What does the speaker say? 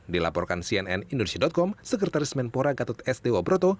dilaporkan cnn indonesia com sekretaris menpora gatot s dewa broto